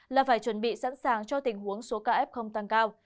là phải chuẩn bị sẵn sàng cho tình huống số ca f tăng cao